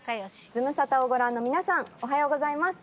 ズムサタをご覧の皆さん、おはようございます。